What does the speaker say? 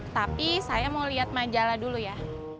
tapi saya mau lihat majalah dulu ya